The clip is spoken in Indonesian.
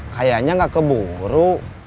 kayaknya enggak keburu